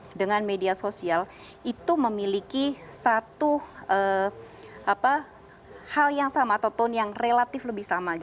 karena dengan media sosial itu memiliki satu hal yang sama atau tone yang relatif lebih sama